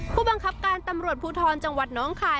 ผู้บังคับการตำรวจภูทรจังหวัดน้องคาย